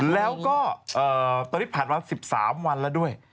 แล้วก็ตอนนี้ผ่านมา๑๓วันแล้วด้วย